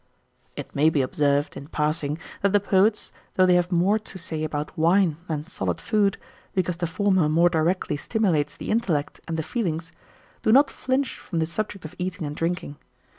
_" It may be observed, in passing, that the poets, though they have more to say about wine than solid food, because the former more directly stimulates the intellect and the feelings, do not flinch from the subject of eating and drinking.